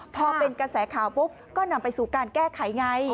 พอเป็นกระแสข่าวปุ๊บก็นำไปสู่การแก้ไขไง